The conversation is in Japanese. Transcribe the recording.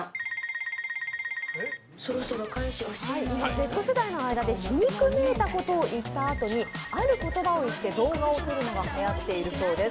Ｚ世代の間で皮肉めいた言葉を言ったあとにある言葉を言って動画を撮るのがはやっているそうです。